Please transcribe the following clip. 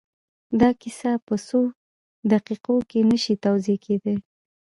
دا کيسه په څو دقيقو کې نه شي توضيح کېدای.